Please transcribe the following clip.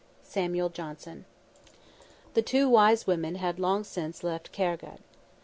_" SAMUEL JOHNSON. The two wise women had long since left Khargegh.